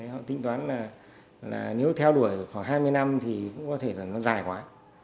họ tính toán là nếu theo đuổi khoảng hai mươi năm thì cũng có thể là nó dài quá